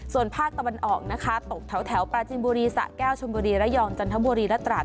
ส่วนภาคตะวันออกนะคะตกแถวปราจินบุรีสะแก้วชนบุรีระยองจันทบุรีและตราด